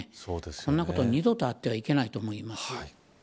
こんなことは、二度とあってはいけないと思います。